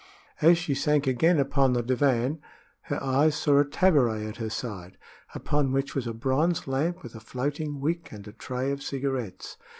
As she sank again upon the divan her eyes saw a tabouret at her side, upon which was a bronze lamp with a floating wick and a tray of cigarettes.